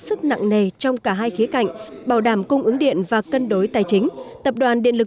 sức nặng nề trong cả hai khía cạnh bảo đảm cung ứng điện và cân đối tài chính tập đoàn điện lực